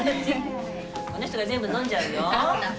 この人が全部飲んじゃうよ。